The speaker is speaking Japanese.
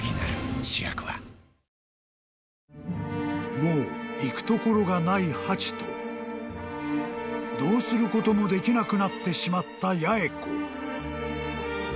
［もう行く所がないハチとどうすることもできなくなってしまった八重子］